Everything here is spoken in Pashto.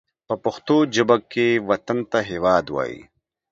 په پښتو ژبه کې وطن ته هېواد وايي